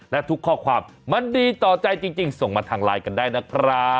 และทุกข้อความมันดีต่อใจจริงส่งมาทางไลน์กันได้นะครับ